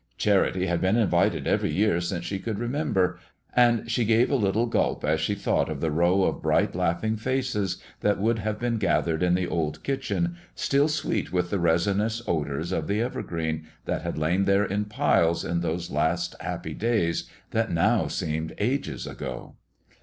Charity had been invited every year since she could remember, and she gave a little gulp as she thought of the row of bright, laughing faces that would have been gathered in the old kitchen, still sweet with the resinous odors of the evergreen that had lain there in piles in those last happy days that now seemed ages ago.